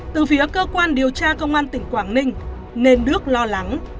từ phía cơ quan điều tra công an tỉnh quảng ninh nên đức lo lắng